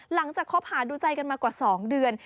หลังจากเข้าผ่านดูใจกันมากว่า๒เดือน